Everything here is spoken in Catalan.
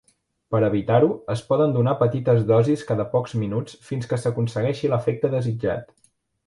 Per evitar-ho, es poden donar petites dosis cada pocs minuts fins que s'aconsegueixi l'efecte desitjat.